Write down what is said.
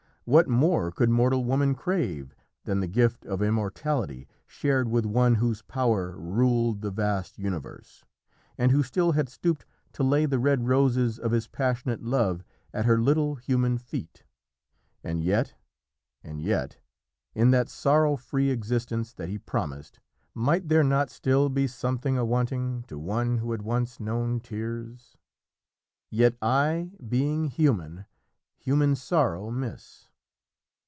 What more could mortal woman crave than the gift of immortality shared with one whose power ruled the vast universe, and who still had stooped to lay the red roses of his passionate love at her little, human feet? And yet and yet in that sorrow free existence that he promised, might there not still be something awanting to one who had once known tears? "Yet I, being human, human sorrow miss."